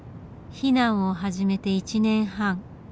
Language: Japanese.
避難を始めて１年半。